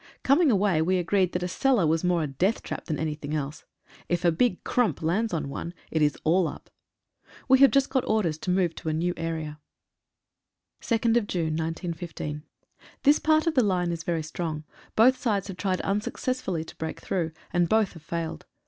Coming away we agreed that a cellar was more a death trap than anything else. If a big "krump" lands on one, it is all up. We have just got orders to move to a new area. «> E5 «> 2/6/15. HIS part of the line is very strong. Both sides have tried unsuccessfully to break through, and both have failed.